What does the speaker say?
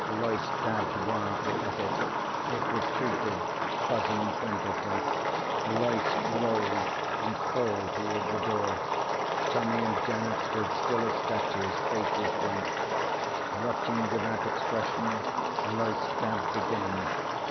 Loyce stabbed wildly at it. It retreated, buzzing frantically. Loyce rolled and crawled toward the door. Tommy and Janet stood still as statues, faces blank. Watching without expression. Loyce stabbed again.